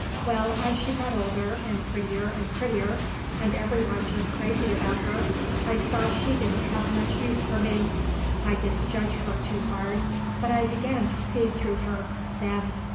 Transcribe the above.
Well, as she got older, and prettier and prettier, and everyone just crazy about her, I saw she didn't have much use for me. I didn't judge her too hard; but I began to see through her then.